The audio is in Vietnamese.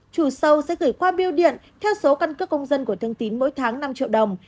chủ sâu sẽ gửi qua biêu điện theo số căn cước công dân của thương tín mỗi tháng năm triệu đồng